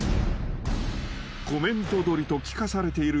［コメントどりと聞かされている４人］